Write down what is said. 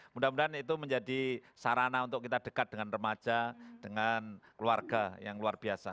mudah mudahan itu menjadi sarana untuk kita dekat dengan remaja dengan keluarga yang luar biasa